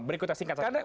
berikutnya singkat saja